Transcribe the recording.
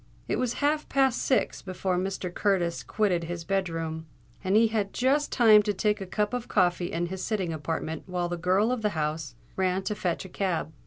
It was half past six before Mr. Curtis quitted his bed room; and he had just time to take a cup of coffee in his sitting apartment while the girl of the house ran to fetch a cab.